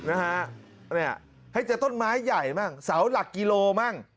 นะฮะเนี่ยให้เจอต้นไม้ใหญ่มั่งเสาหลักกิโลมั่ง